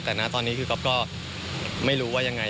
แต่ตอนนี้กรอบก็ไม่รู้ว่ายังไง